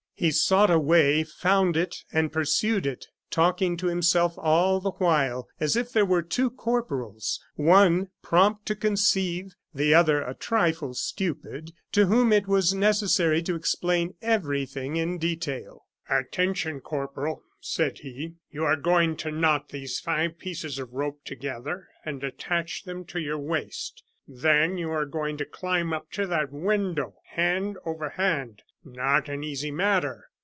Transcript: He sought a way, found it, and pursued it, talking to himself all the while as if there were two corporals; one prompt to conceive, the other, a trifle stupid, to whom it was necessary to explain everything in detail. "Attention, Corporal," said he. "You are going to knot these five pieces of rope together and attach them to your waist; then you are going to climb up to that window, hand over hand. Not an easy matter!